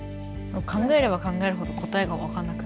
考えれば考えるほど答えが分かんなく。